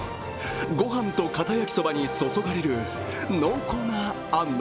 ご飯とカタ焼そばに注がれる濃厚なあんの